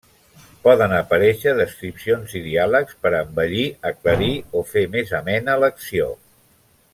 Poden aparèixer descripcions i diàlegs per a embellir, aclarir o fer més amena l'acció.